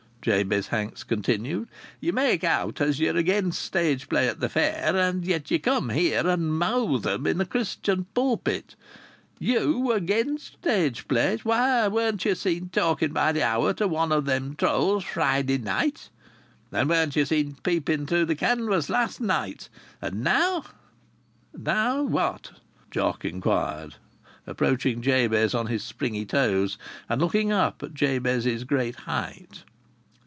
Jabez Hanks continued. "Ye make out as ye're against stage plays at the Fair, and yet ye come here and mouth 'em in a Christian pulpit. You agen stage plays! Weren't ye seen talking by the hour to one o' them trulls, Friday night ? And weren't ye seen peeping through th' canvas last night? And now " "Now what?" Jock inquired, approaching Jabez on his springy toes, and looking up at Jabez's great height.